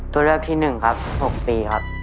ตัวเลือดที่หนึ่งครับ๖ปีครับ